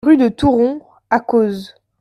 Rue de Touron à Cozes